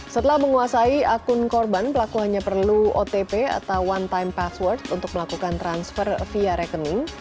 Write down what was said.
setelah menguasai akun korban pelaku hanya perlu otp atau one time password untuk melakukan transfer via rekening